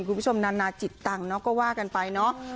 คุณผู้ชมนานาจิตตังก็ว่ากันไป